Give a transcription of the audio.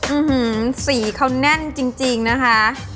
อื้อหือสีเขาแน่นจริงนะคะ